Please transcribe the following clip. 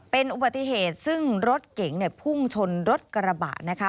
เป็นอุบัติเหตุซึ่งรถเก๋งเนี่ยพุ่งชนรถกระบะนะคะ